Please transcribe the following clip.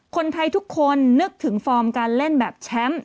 คนไทยทุกคนนึกถึงฟอร์มการเล่นแบบแชมป์